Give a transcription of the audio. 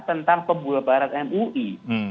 tentang pembuluh barat mui